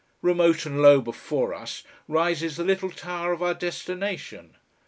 Remote and low before us rises the little tower of our destination.